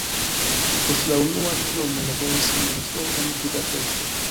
Post la unua diplomo li laboris en metroo en Budapeŝto.